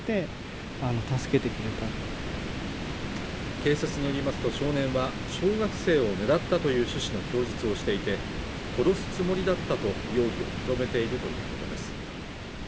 警察によりますと少年は小学生を狙ったという趣旨の供述をしていて殺すつもりだったと容疑を認めているということです